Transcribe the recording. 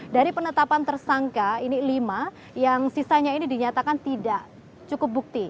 dari penetapan tersangka ini lima yang sisanya ini dinyatakan tidak cukup bukti